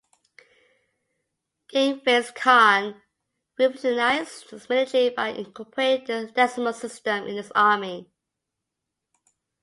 Genghis Khan revolutionized his military by incorporating the decimal system in his army.